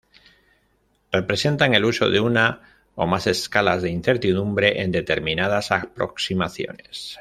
Representan el uso de una o más escalas de incertidumbre en determinadas aproximaciones.